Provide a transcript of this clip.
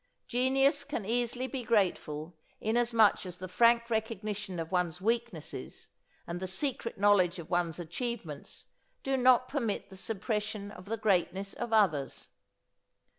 Genius can easily be grateful inasmuch as the frank recognition of one's weaknesses and the secret knowledge of one's achievements do not permit the suppression of the greatness of others.